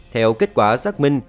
theo kết quả xác minh